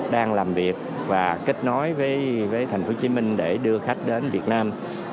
đang làm việc và kết nối với thành phố hồ chí minh để đưa khách đến việt nam